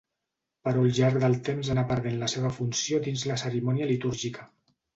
Però al llarg del temps anà perdent la seva funció dins la cerimònia litúrgica.